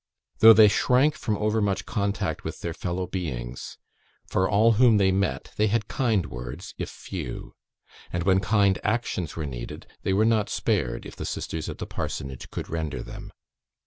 Though they shrank from overmuch contact with their fellow beings, for all whom they met they had kind words, if few; and when kind actions were needed, they were not spared, if the sisters at the parsonage could render them.